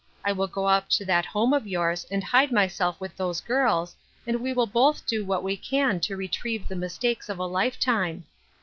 I will go up to that home of y ours and hide myself with those girls, and we will both do what we can to retrieve the mistakes of a lifetime.